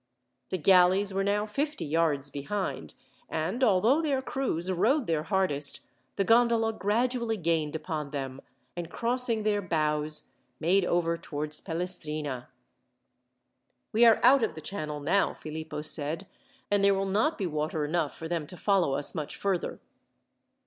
The galleys were now fifty yards behind, and although their crews rowed their hardest, the gondola gradually gained upon them, and crossing their bows made over towards Pelestrina. "We are out of the channel now," Philippo said, "and there will not be water enough for them to follow us much further."